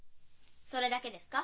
それだけですか？